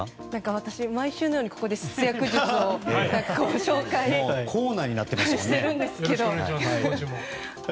私、毎週のようにここで節約術をご紹介してるんですけど。